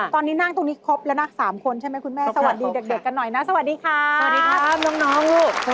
ที่เราเห็นในเรื่องราวเนอะลูก